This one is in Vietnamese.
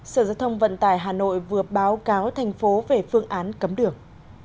sở giao thông vận tải hà nội vừa báo cáo thành phố về phương án cấm đường